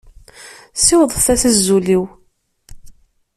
Siwḍet-as azul-iw.